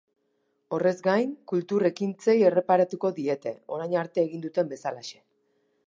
Horrez gain, kultur ekintzei erreparatuko diete, orain arte egin duten bezalaxe.